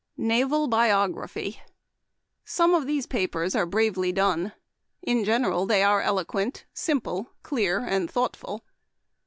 "Naval Biography. — Some of these papers are bravely done. In general they are eloquent, simple, clear, and beautiful.